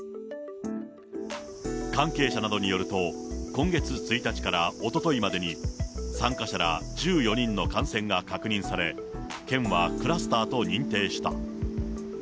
関係者などによると、今月１日からおとといまでに参加者ら１４人の感染が確認され、県はクラスターと認定した。